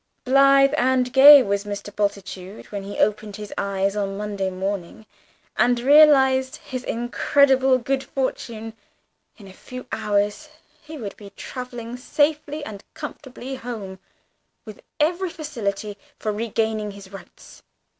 Blithe and gay was Mr. Bultitude when he opened his eyes on Monday morning and realised his incredible good fortune; in a few hours he would be travelling safely and comfortably home, with every facility for regaining his rights.